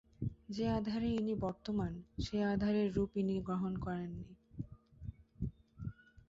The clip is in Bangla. যে আধারে ইনি বর্তমান, সেই আধারের রূপ ইনি গ্রহণ করেন।